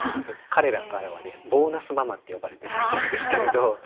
彼らからはねボーナスママって呼ばれてるらしいですけれど。